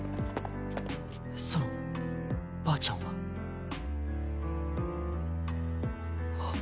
そのばあちゃんははっ。